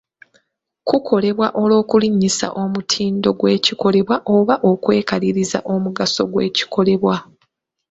Kukolebwa olw’okulinnyisa omutindo gw’ekikolebwa oba okwekaliriza omugaso gw’ekikolebwa.